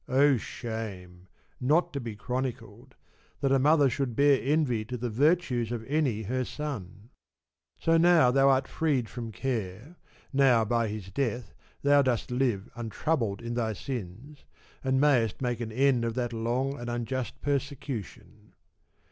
Oh shame 46 not to be chronicled, that a mother should bear envy to the virtues of any her son ! So now thou art freed from care, now by his death thou dost live untroubled in thy sins, and mayest make an end of that long and unjust persecution.